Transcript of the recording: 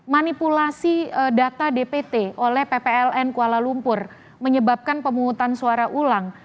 manipulasi data dpt oleh ppln kuala lumpur menyebabkan pemungutan suara ulang